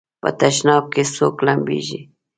په تشناب کې څوک لمبېږي؟